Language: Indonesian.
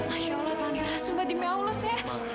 masya allah tante sempat di me'aulus ya